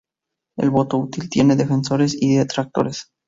El voto útil tiene defensores y detractores.